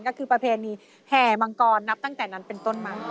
ก็คือประเพณีแห่มังกรนับตั้งแต่นั้นเป็นต้นมา